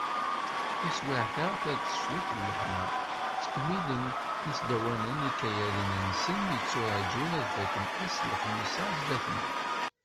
Taswiɛt-a, ters-d cwiṭ n lehna, ttkemmilen yisdawanen ikayaden-nsen, yetturaǧun ad fakken ass n lexmis-a sdat-nneɣ.